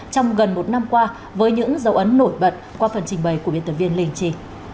trong gần một năm qua với những dấu ấn nổi bật qua phần trình bày của biên tập viên linh chi